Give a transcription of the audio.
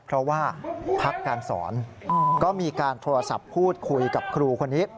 เพราะว่าพักการสอนก็มีการโทรศัพท์พูดคุยกับครูคนนี้